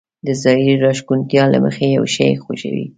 د ظاهري راښکونتيا له مخې يو شی خوښوي.